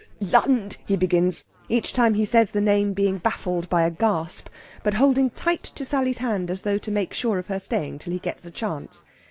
Lund," he begins; each time he says the name being baffled by a gasp, but holding tight to Sally's hand, as though to make sure of her staying till he gets a chance.